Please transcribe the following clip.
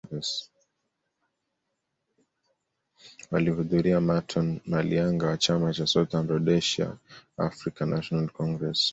Walihudhuria Marton Malianga wa chama cha Southern Rhodesia African National Congress